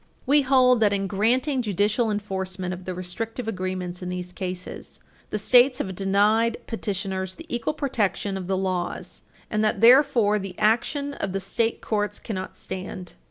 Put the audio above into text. We hold that, in granting judicial enforcement of the restrictive agreements in these cases, the States have denied petitioners the equal protection of the laws, and that, therefore, the action of the state courts cannot stand.